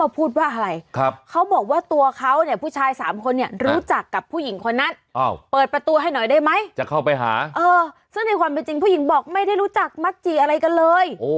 เป็นจริงผู้หญิงบอกไม่ได้รู้จักมักจี่อะไรกันเลย